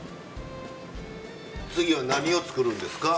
次は何を作るんですか？